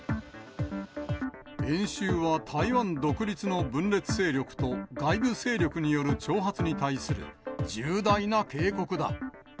演習は台湾独立の分裂勢力と外部勢力による挑発に対する重大な警告だ。